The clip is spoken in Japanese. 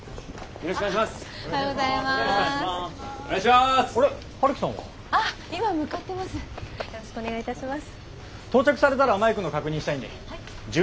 よろしくお願いします。